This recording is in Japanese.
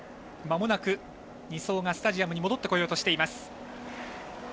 まもなく２走がスタジアムに戻ってこようとしています。